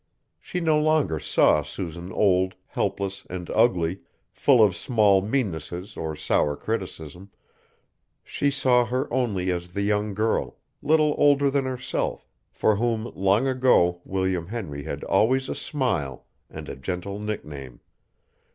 She no longer saw Susan old, helpless, and ugly, full of small meannesses and sour criticism: she saw her only as the young girl, little older than herself, for whom long ago William Henry had always a smile, and a gentle nickname.